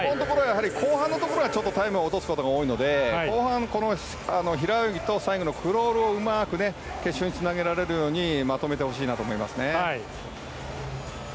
後半のところはタイムを落とすところが多いので後半の平泳ぎとクロールうまく決勝につなげられるようまとめてほしいです。